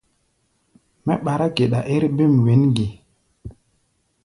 Mɛ́ ɓará geɗa ér bêm wěn ge?